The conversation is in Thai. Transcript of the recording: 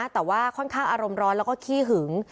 แต่ว่าค่อนข้างอารมณ์ร้อนแล้วก็ขี้หึง